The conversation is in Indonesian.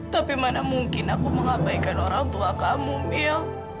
tapi mana mungkin aku mengabaikan orang tua kamu mil